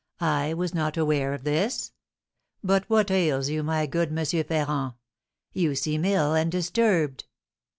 "I was not aware of this. But what ails you, my good M. Ferrand? You seem ill and disturbed!"